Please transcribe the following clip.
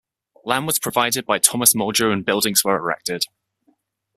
Land was provided by Thomas Muldrow and buildings were erected.